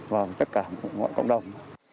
và tất cả mọi cộng đồng